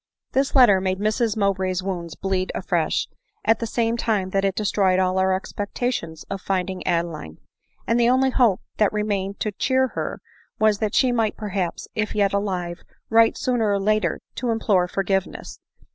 This letter made Mrs Mowbray's wounds bleed afresh, at the same time that it destroyed all her expectations of finding Adeline ; and the only hope that remained to cheer her was, that she might perhaps, if yet alive, write sooner or later, to implore forgiveness.